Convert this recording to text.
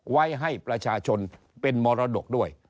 ไว้ให้ประชาชนเป็นมรดกด้วย